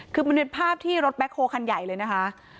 คือมันเป็นภาพที่รถแคคโฮคันใหญ่เลยนะคะ